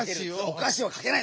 「おかし」をかけない。